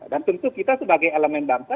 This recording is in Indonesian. dan tentu kita sebagai elemen bangsa